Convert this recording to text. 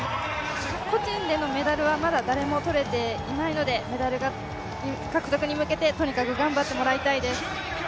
個人でのメダルはまだ誰も取れていないのでメダル獲得に向けてとにかく頑張ってもらいたいです。